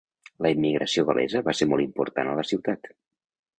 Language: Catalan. La immigració gal·lesa va ser molt important a la ciutat.